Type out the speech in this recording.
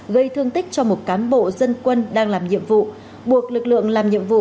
gây thương tích cho một cán bộ dân quân đang làm nhiệm vụ buộc lực lượng làm nhiệm vụ